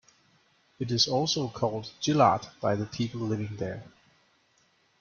It is also called Jilard by the people living there.